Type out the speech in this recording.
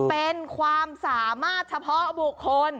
เป็นความสามารถเฉพาะบุคคล